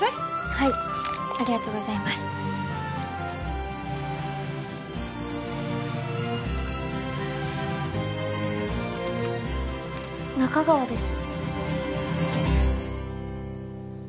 はいありがとうございます仲川です